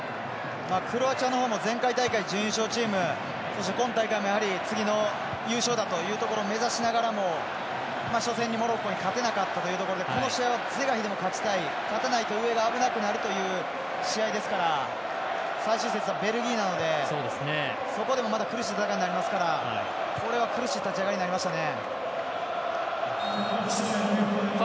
クロアチアのほうも前回大会、準優勝チームそして今大会もやはり次の優勝というとこを目指しながらも初戦にモロッコに勝てなかったというところで是が非でも勝ちたい勝たないと危なくなるという試合ですから、最終戦がベルギーなので、そこでもまた苦しい戦いになりますからこれは苦しい立ち上がりになりましたね。